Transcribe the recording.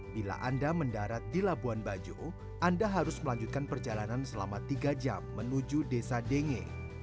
bila anda mendarat di labuan bajo anda harus melanjutkan perjalanan selama tiga jam menuju desa denge